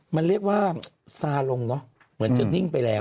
มันเรียกว่าซาลงเนอะเหมือนจะนิ่งไปแล้ว